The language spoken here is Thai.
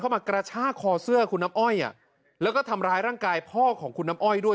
มากระชากคอเสื้อคุณน้ำอ้อยแล้วก็ทำร้ายร่างกายพ่อของคุณน้ำอ้อยด้วย